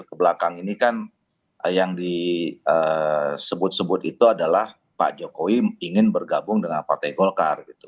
kebelakang ini kan yang disebut sebut itu adalah pak jokowi ingin bergabung dengan partai golkar gitu